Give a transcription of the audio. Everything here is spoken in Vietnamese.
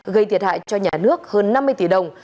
gây thiệt hại cho nhà nước hơn năm mươi tỷ đồng